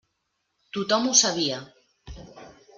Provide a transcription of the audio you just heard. Tothom ho sabia.